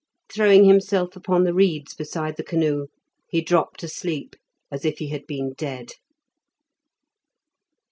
Throwing himself upon the reeds beside the canoe, he dropped asleep as if he had been dead.